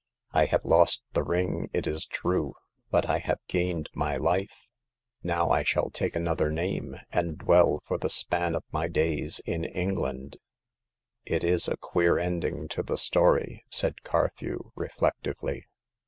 I have lost the ring, it is true ; but I have gained my life. Now I shall ^72 Hagar of the Pawn Shop. take another name, and dwell for the span of my days in England/' It is a queer ending to the story," said Car thew, reflectively.